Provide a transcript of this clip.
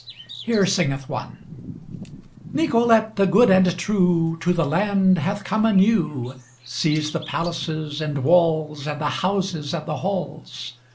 Here singeth one: Nicolete the good and true To the land hath come anew, Sees the palaces and walls, And the houses and the halls!